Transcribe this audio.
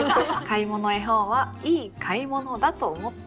「買物絵本はいい買物だと思った」。